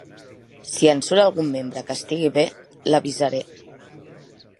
Si en surt algun membre que estigui bé, l'avisaré.